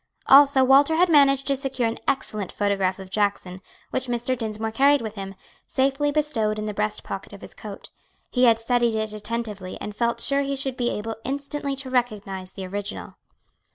Also Walter had managed to secure an excellent photograph of Jackson, which Mr. Dinsmore carried with him, safely bestowed in the breast pocket of his coat. He had studied it attentively and felt sure he should be able instantly to recognize the original.